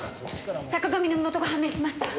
坂上の身元が判明しました。